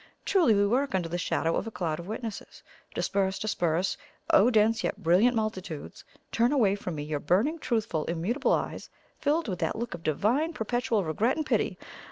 Truly we work under the shadow of a "cloud of Witnesses." Disperse, disperse, O dense yet brilliant multitudes! turn away from me your burning, truthful, immutable eyes, filled with that look of divine, perpetual regret and pity!